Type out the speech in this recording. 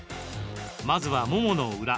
まずは、ももの裏。